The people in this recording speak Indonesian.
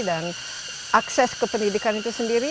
dan akses ke pendidikan itu sendiri